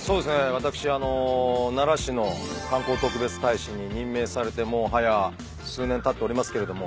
私奈良市の観光特別大使に任命されてもうはや数年たっておりますけれども。